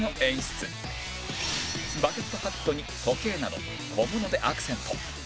バケットハットに時計など小物でアクセント